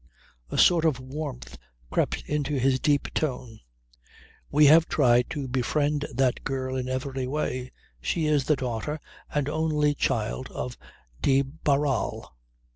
A sort of warmth crept into his deep tone. "We have tried to befriend that girl in every way. She is the daughter and only child of de Barral."